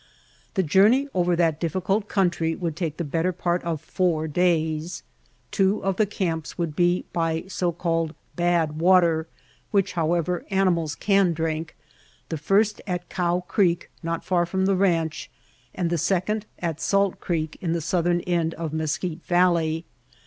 The journey over that difficult country would take the better part of four days. Two of the camps would be by so called "bad White Heart of Mojave water," which, however, animals can drink — the first at Cow Creek not far from the ranch, and the second at Salt Creek in the southern end of Mesquite Valley.